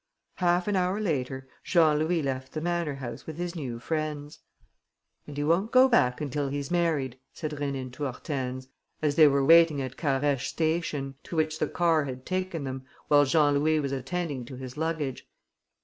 Half an hour later, Jean Louis left the manor house with his new friends. "And he won't go back until he's married," said Rénine to Hortense, as they were waiting at Carhaix station, to which the car had taken them, while Jean Louis was attending to his luggage.